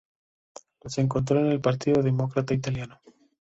Los encontró en el Partido Demócrata italiano.